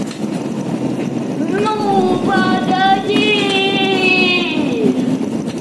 Садитесь, товарищ Новосельцев, Анатолий Ефремович.